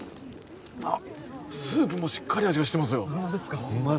スープもしっかり味がしてますよあっ